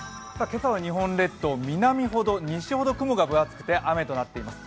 今朝は日本列島、南ほど、西ほど雲が分厚くて雨となっています。